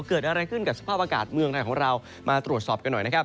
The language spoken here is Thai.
เกิดอะไรขึ้นกับสภาพอากาศเมืองไทยของเรามาตรวจสอบกันหน่อยนะครับ